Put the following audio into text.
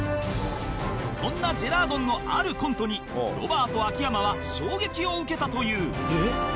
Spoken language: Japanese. そんなジェラードンのあるコントにロバート秋山は衝撃を受けたという